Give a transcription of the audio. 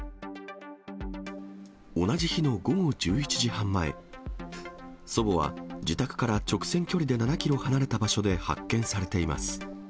同じ日の午後１１時半前、祖母は自宅から直線距離で７キロ離れた場所で発見されています。